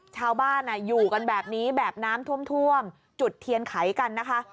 ชาวบ้านอยู่กันแบบนี้แบบน้ำท่วมจุดเทียนไขกันนะคะ